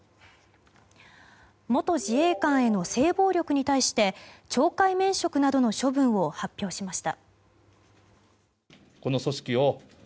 元自衛官への性暴力に対して懲戒免職などの処分を発表しました。